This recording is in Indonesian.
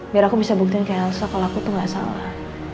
biar aku bisa buktiin kayak elsa kalau aku tuh gak salah